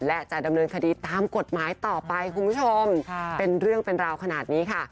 และจะดำเนินคดีตามกฎหมายต่อไปคุณผู้ชมเป็นเรื่องเป็นราวขนาดนี้ค่ะ